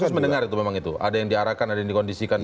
pansus mendengar itu memang ada yang diarahkan ada yang dikondisikan